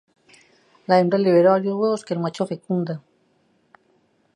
La hembra libera varios huevos que el macho fecunda.